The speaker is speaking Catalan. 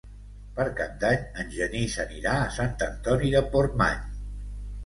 Per Cap d'Any en Genís anirà a Sant Antoni de Portmany.